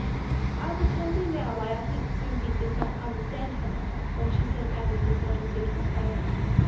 I will tell you now why I think Susy did not understand her mother when she said Annie was not a suitable playmate.